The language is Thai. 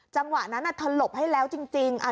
จังหวะนั้นเธอหลบให้แล้วจริง